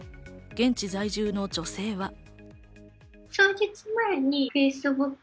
現地在住の女性は。